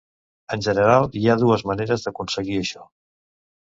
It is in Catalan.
En general, hi ha dues maneres d'aconseguir això.